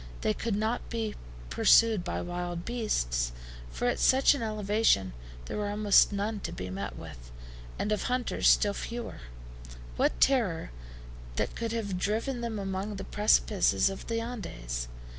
They could not be pursued by wild beasts, for at such an elevation there were almost none to be met with, and of hunters still fewer. What terror then could have driven them among the precipices of the Andes?